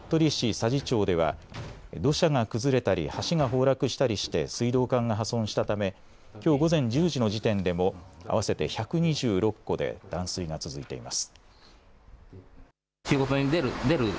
佐治町では土砂が崩れたり、橋が崩落したりして水道管が破損したためきょう午前１０時の時点でも合わせて１２６戸で断水が続いています。